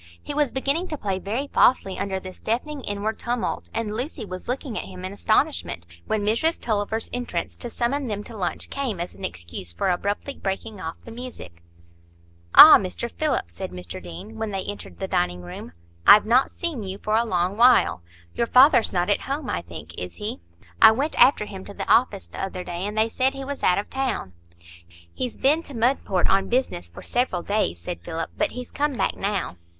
He was beginning to play very falsely under this deafening inward tumult, and Lucy was looking at him in astonishment, when Mrs Tulliver's entrance to summon them to lunch came as an excuse for abruptly breaking off the music. "Ah, Mr Philip!" said Mr Deane, when they entered the dining room, "I've not seen you for a long while. Your father's not at home, I think, is he? I went after him to the office the other day, and they said he was out of town." "He's been to Mudport on business for several days," said Philip; "but he's come back now."